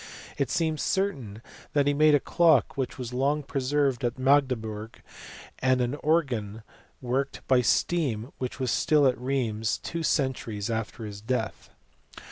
It seems certain that he made a clock which was long preserved at Magdeburg, and an organ worked by steam which was still at Rheims two centuries after his death.